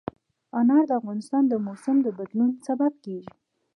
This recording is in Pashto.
انار د افغانستان د موسم د بدلون سبب کېږي.